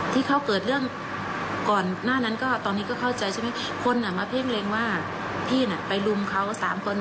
ที่เขาเกิดเรื่องก่อนหน้านั้นก็ตอนนี้ก็เข้าใจใช่ไหมคนมาเพ่งเล็งว่าพี่น่ะไปรุมเขาสามคน